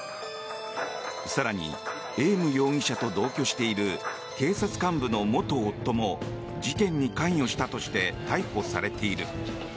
更に、エーム容疑者と同居している警察幹部の元夫も事件に関与したとして逮捕されている。